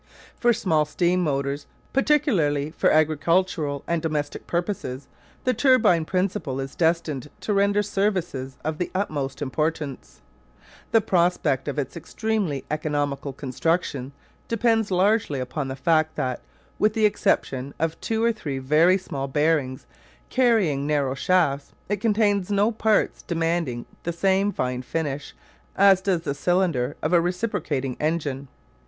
For small steam motors, particularly for agricultural and domestic purposes, the turbine principle is destined to render services of the utmost importance. The prospect of its extremely economical construction depends largely upon the fact that, with the exception of two or three very small bearings carrying narrow shafts, it contains no parts demanding the same fine finish as does the cylinder of a reciprocating engine.